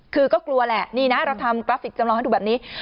คือก็กลัวแหละนี่นะเราทำกราฟิกจำลองให้ดูแบบนี้